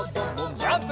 ジャンプ！